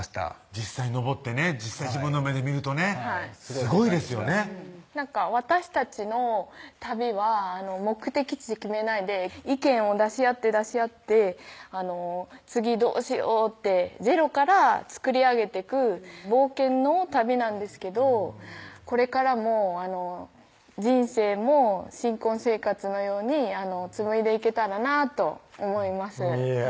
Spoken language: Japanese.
実際登ってね実際自分の目で見るとねすごいですよねなんか私たちの旅は目的地決めないで意見を出し合って出し合って次どうしようってゼロから作り上げてく冒険の旅なんですけどこれからも人生も新婚生活のように紡いでいけたらなと思いますいや